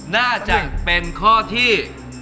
น่าจะเป็นข้อที่